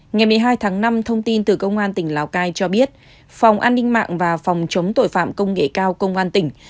ngày một mươi hai tháng năm thông tin từ công an tỉnh lào cai cho biết phòng an ninh mạng và phòng chống tội phạm công nghệ cao công an tỉnh